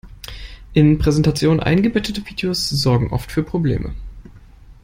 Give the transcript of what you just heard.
In Präsentationen eingebettete Videos sorgen oft für Probleme.